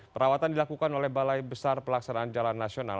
perawatan dilakukan oleh balai besar pelaksanaan jalan nasional